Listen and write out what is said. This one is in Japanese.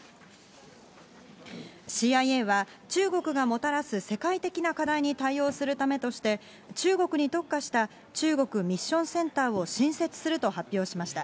ＣＩＡは、中国がもたらす世界的な課題に対応するためとして、中国に特化した、中国ミッションセンターを新設すると発表しました。